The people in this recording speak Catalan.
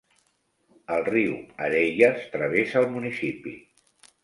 El riu Areias travessa el municipi.